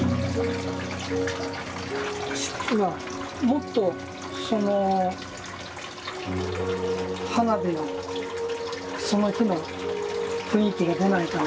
もっとその花火のその日の雰囲気が出ないかなぁ。